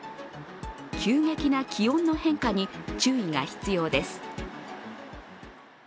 急激な気温の変化に注意が必要です。